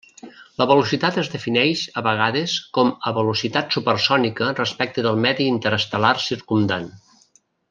La velocitat es defineix a vegades com a velocitat supersònica respecte del medi interestel·lar circumdant.